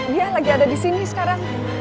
dia lagi ada disini sekarang